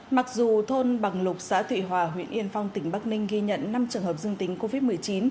mặc dù thôn bằng lục xã thụy hòa huyện yên phong tỉnh bắc ninh ghi nhận năm trường hợp dương tính covid một mươi chín